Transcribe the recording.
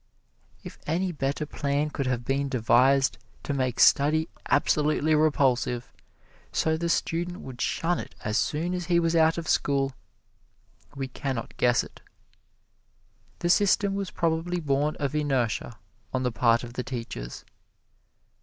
If any better plan could have been devised to make study absolutely repulsive, so the student would shun it as soon as he was out of school, we can not guess it. The system was probably born of inertia on the part of the teachers.